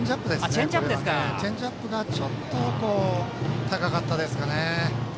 チェンジアップがちょっと高かったですかね。